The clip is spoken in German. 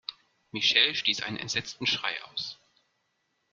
Michelle stieß einen entsetzten Schrei aus.